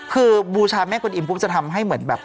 คือบูชาแม่คุณอิ่มก็จะทำให้เหมือนแบบ